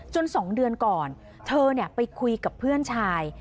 จนสองเดือนก่อนเธอเนี่ยไปคุยกับเพื่อนชาย